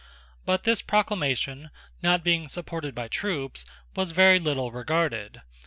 But this proclamation, not being supported by troops, was very little regarded.